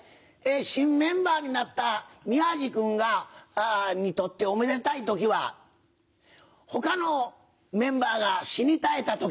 新メンバーになった宮治君にとっておめでたい時は他のメンバーが死に絶えた時。